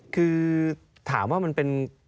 คือถามว่ามันเป็น